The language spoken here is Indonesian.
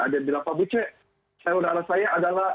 ada yang bilang pak bu cek saudara saya adalah